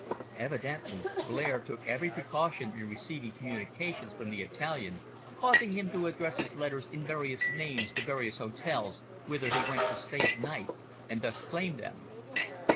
Evidently Blair took every precaution in receiving communications from the Italian, causing him to address his letters in various names to various hotels whither he went to stay a night, and thus claim them.